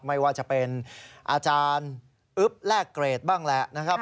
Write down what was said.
ไม่ว่าจะเป็นอาจารย์อึ๊บแลกเกรดบ้างแหละนะครับ